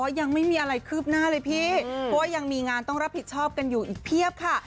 ยังไม่มีอะไรคืบหน้าเลยพี่เพราะว่ายังมีงานต้องรับผิดชอบกันอยู่อีกเพียบค่ะ